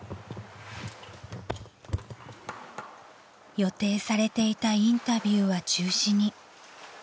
［予定されていたインタビューは中止に］